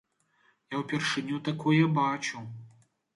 Я ўпершыню такое бачу.